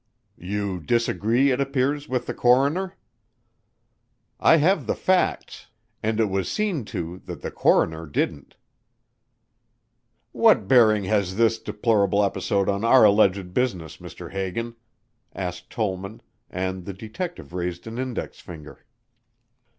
"You disagree, it appears, with the coroner." "I have the facts and it was seen to that the coroner didn't." "What bearing has this deplorable episode on our alleged business, Mr. Hagan?" asked Tollman, and the detective raised an index finger.